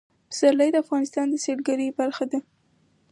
پسرلی د افغانستان د سیلګرۍ برخه ده.